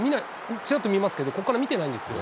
ちらっと見ますけど、ここから見てないんですよ。